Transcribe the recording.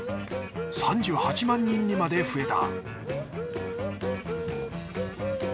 ３８万人にまで増えた